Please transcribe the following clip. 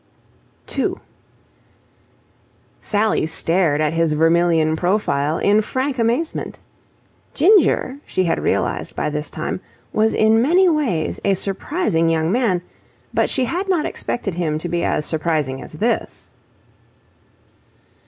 2 Sally stared at his vermilion profile in frank amazement. Ginger, she had realized by this time, was in many ways a surprising young man, but she had not expected him to be as surprising as this.